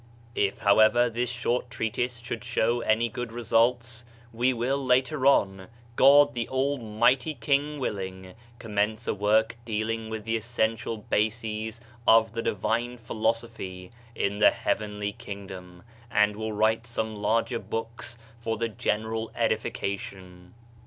If, how ever, this short treatise should show any good re sults, we will later on, God the Almighty King willing, commence a work dealing with the essen tial bases of the divine philosophy in the heavenly Kingdom, and will write some larger books for the general edification.